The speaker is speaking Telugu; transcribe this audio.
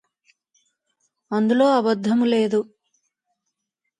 అందులో అబద్ధము లేదు